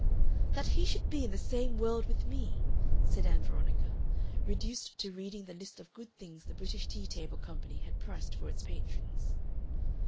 "That he should be in the same world with me!" said Ann Veronica, reduced to reading the list of good things the British Tea Table Company had priced for its patrons.